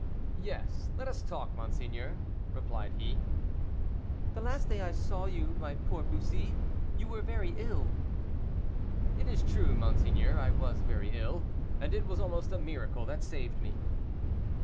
"Yes, let us talk, monseigneur," replied he. "The last day I saw you, my poor Bussy, you were very ill." "It is true, monseigneur, I was very ill, and it was almost a miracle that saved me."